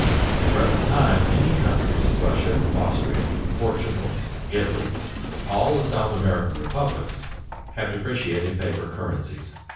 At the present time many countries Russia, Austria, Portugal, Italy, all the South American republics have depreciated paper currencies.